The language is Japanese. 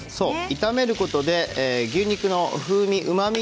炒めることで牛肉の風味、うまみ